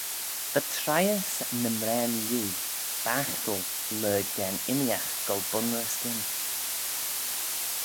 Va treihys ny mraane-lhee baghtal lurg da'n immeeaght goll bun-ry-skyn.